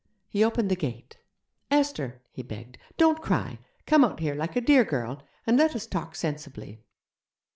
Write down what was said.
He opened the gate; 'Esther!' he begged, 'don't cry. Come out here, like a dear girl, and let us talk sensibly.'